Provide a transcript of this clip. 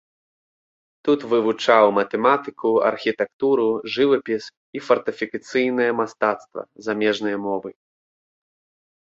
Тут вывучаў матэматыку, архітэктуру, жывапіс і фартыфікацыйнае мастацтва, замежныя мовы.